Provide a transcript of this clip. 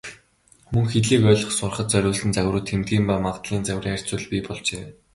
Мөн хэлийг ойлгох, сурахад зориулсан загварууд, тэмдгийн ба магадлалын загварын харьцуулал бий болжээ.